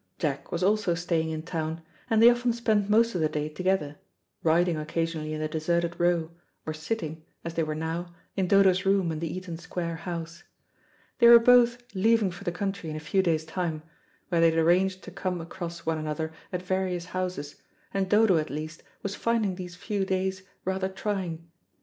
Jack was also staying in town, and they often spent most of the day together; riding occasionally in the deserted Row, or sitting, as they were now, in Dodo's room in the Eaton Square house. They were both leaving for the country in a few days' time, where they had arranged to come across one another at various houses, and Dodo, at least, was finding these few days rather trying.